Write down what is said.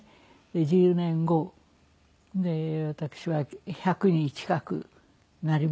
１０年後私は１００に近くなりますけれど。